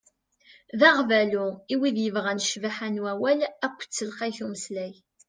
D aɣbalu i win yebɣan ccbaḥa n wawal akked telqayt n umeslay.